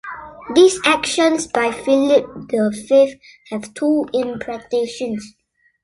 These actions by Philip the Fifth have two interpretations.